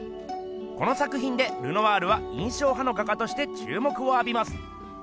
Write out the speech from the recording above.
この作ひんでルノワールは印象派の画家としてちゅうもくをあびます。